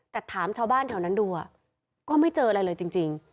แต่ถามชาวบ้านแถวนั้นดูก็ไม่เจออะไรเลยจริง